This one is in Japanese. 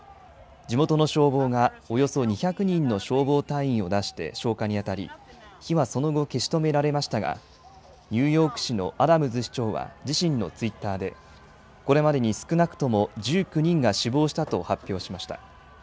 地元の消防がおよそ２００人の消防隊員を出して消火に当たり、火はその後、消し止められましたが、ニューヨーク市のアダムズ市長は自身のツイッターで、これまでに少なくとも１９人が死亡したと発表しました。